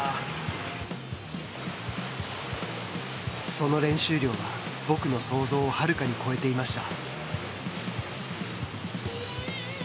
その練習量は僕の想像をはるかに超えていました。